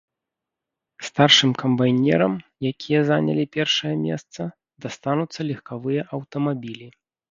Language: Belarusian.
Старшым камбайнерам, якія занялі першае месца, дастануцца легкавыя аўтамабілі.